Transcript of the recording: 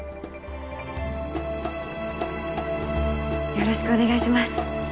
よろしくお願いします